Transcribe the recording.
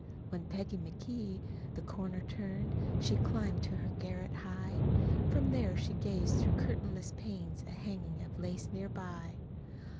When Peggy McGee the corner turned, SHE climbed to her garret high From there she gazed through curtainless panes At hangin's of lace near by.